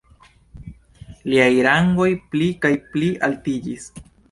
Liaj rangoj pli kaj pli altiĝis.